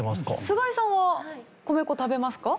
菅井さんは米粉食べますか？